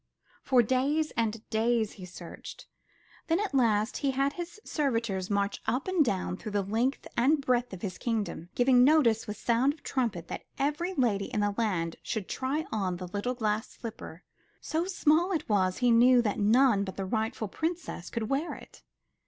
For days and days he searched; then at last he had his servitors march up and down through the length and breadth of his kingdom, giving notice with sound of trumpet that every lady in the land should try on the little glass slipper. So small it was, he knew that none but the rightful princess could wear it.